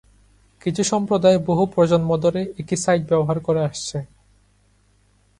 কিছু সম্প্রদায় বহু প্রজন্ম ধরে একই সাইট ব্যবহার করে আসছে।